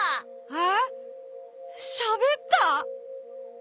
しゃべった！